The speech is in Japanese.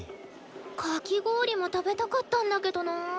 かき氷も食べたかったんだけどな。